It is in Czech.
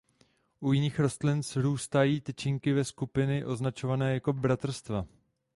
U jiných rostlin srůstají tyčinky ve skupiny označované jako bratrstva.